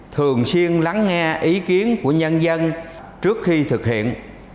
thường xuyên lắng nghe ý kiến của nhân dân trước khi thực hiện